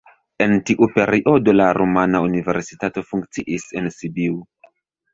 En tiu periodo la rumana universitato funkciis en Sibiu.